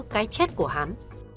cái chết của hắn